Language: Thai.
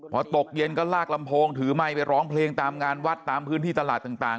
พอตกเย็นก็ลากลำโพงถือไมค์ไปร้องเพลงตามงานวัดตามพื้นที่ตลาดต่าง